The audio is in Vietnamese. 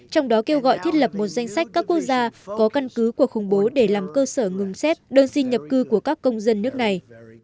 trong đó kêu gọi thiết lập một danh sách các quốc gia có căn cứ cuộc khủng bố để làm cơ sở ngừng xét đơn xin nhập cư của các công dân nước này